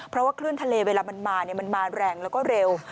เพราะว่าคลื่นทะเลเวลามันมามันมาแรงแล้วก็เร็ว